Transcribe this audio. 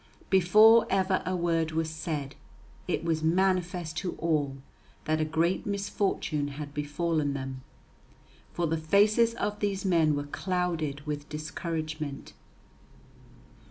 Before ever a word was said, it was manifest to all that a great misfortune had befallen them. For the faces of these men were clouded with discouragement.